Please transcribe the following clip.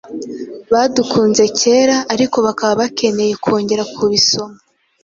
badukunze kera ariko bakaba bakeneye kongera kubisoma